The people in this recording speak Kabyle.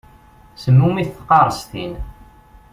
Semmumit tqaṛestin.